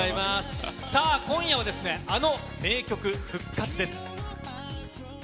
今夜は、あの名曲復活です。